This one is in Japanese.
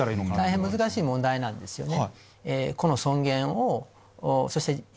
大変難しい問題なんですよね。